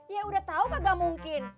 ya udah tau gak mungkin